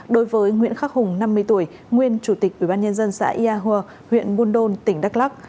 đối với nguyễn khắc hùng năm mươi tuổi nguyên chủ tịch ubnd xã yà hòa huyện buôn đôn tỉnh đắk lóc